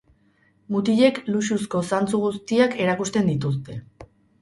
Mutilek luxuzko zantzu guztiak erakusten dituzte.